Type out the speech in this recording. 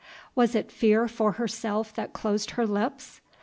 Was it fear for herself that closed her lips?